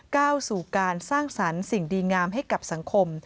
ก้าวสู่การสร้างสรรค์สิ่งดีงามให้กับสังคม